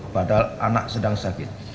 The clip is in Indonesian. padahal anak sedang sakit